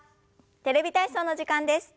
「テレビ体操」の時間です。